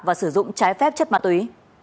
và sử dụng trái phép chất ma túy